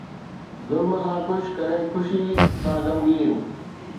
ظلم سان خوش، ڪڏهن خوشي سان غمگين